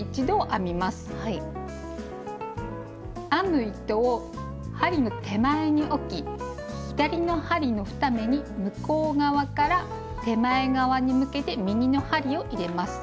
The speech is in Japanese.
編む糸を針の手前に置き左の針の２目に向こう側から手前側に向けて右の針を入れます。